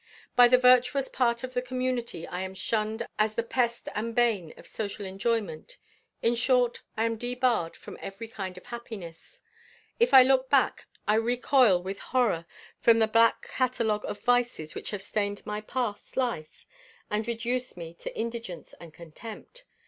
By the virtuous part of the community I am shunned as the pest and bane of social enjoyment. In short, I am debarred from every kind of happiness. If I look back, I recoil with horror from the black catalogue of vices which have stained my past life, and reduced me to indigence and contempt.